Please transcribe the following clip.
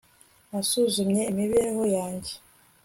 nasuzumye imibereho yanjye